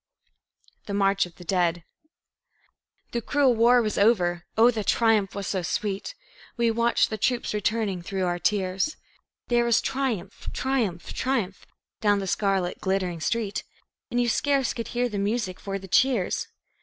The March of the Dead The cruel war was over oh, the triumph was so sweet! We watched the troops returning, through our tears; There was triumph, triumph, triumph down the scarlet glittering street, And you scarce could hear the music for the cheers.